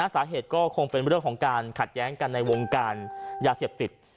สาเหตุก็คงเป็นเรื่องของการขัดแย้งกันในวงการยาเสพติด